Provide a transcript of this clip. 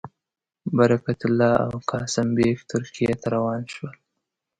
برکت الله او قاسم بېګ ترکیې ته روان شول.